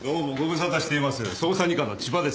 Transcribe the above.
捜査二課の千葉です。